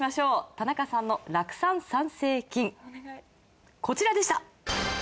田中さんの酪酸産生菌こちらでした。